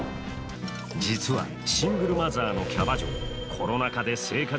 実は、シングルマザーのキャバ嬢。